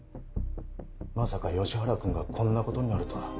まさか吉原くんがこんな事になるとは。